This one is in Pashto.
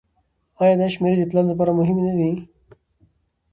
آیا دا شمیرې د پلان لپاره مهمې نه دي؟